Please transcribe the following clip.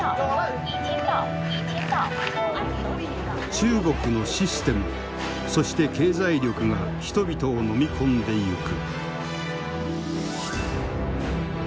中国のシステムそして経済力が人々を飲み込んでいく。